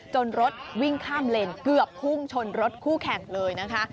รถวิ่งข้ามเลนเกือบพุ่งชนรถคู่แข่งเลยนะคะ